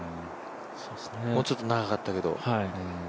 もうちょっと長かったけど。